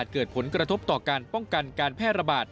เกิดผลกระทบต่อการป้องกันการแพร่ระบาด